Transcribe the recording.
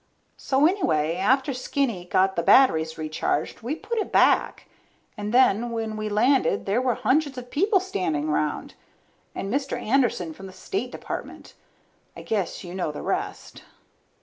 So anyway, after Skinny got the batteries recharged, we put it back. And then when we landed there were hundreds of people standing around, and Mr. Anderson from the State Department. I guess you know the rest.